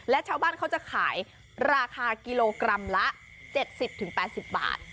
และชาวบ้านเขาจะขายราคากิโลกรัมละ๗๐๘๐บาท